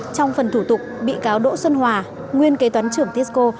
trong phần thủ tục bị cáo đỗ xuân hòa nguyên kế toán trưởng tisco